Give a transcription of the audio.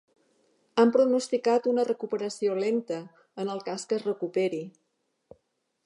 Han pronosticat una recuperació lenta, en el cas que es recuperi.